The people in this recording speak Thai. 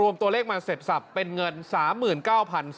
เอาเลขมาเสร็จสับเป็นเงิน๓๙๒๐๐บาท